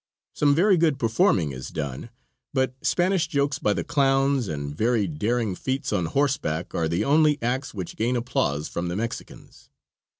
Some very good performing is done, but Spanish jokes by the clowns and very daring feats on horseback are the only acts which gain applause from the Mexicans.